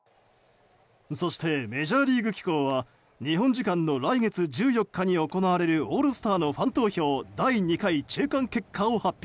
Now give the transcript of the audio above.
そして、メジャーリーグ機構は日本時間の来月１４日に行われるオールスターのファン投票第２回中間結果を発表。